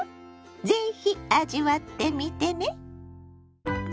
是非味わってみてね。